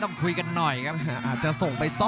รับทราบบรรดาศักดิ์